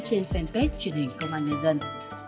trên fanpage truyền hình công an nhà dân